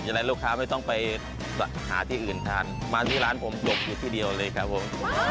อะไรลูกค้าไม่ต้องไปหาที่อื่นทานมาที่ร้านผมหลบอยู่ที่เดียวเลยครับผม